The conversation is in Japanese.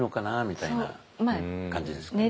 みたいな感じですかね。